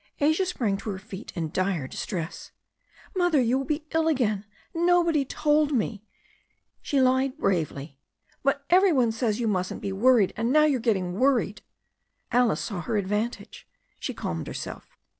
Asia sprang to her feet in dire distress. "Mother, you will be ill again. Nobody told me," she lied bravely, "but every one says you mustn't be worried, and now you are getting worried." Alice saw her advantage. She calmed herself.